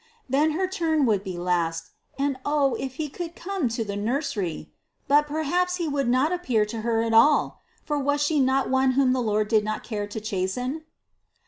Then her turn would be last, and oh, if he would come to the nursery! But perhaps he would not appear to her at all! for was she not one whom the Lord did not care to chasten?